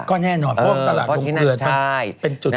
ก็แน่นอนเพราะว่าตลาดโรงเกลือมันเป็นจุด